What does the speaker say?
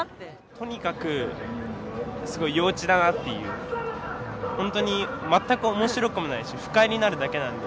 とにかくすごい幼稚だなっていう、本当に、全くおもしろくもないし、不快になるだけなんで。